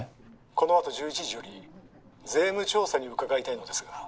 このあと１１時より税務調査に伺いたいのですが。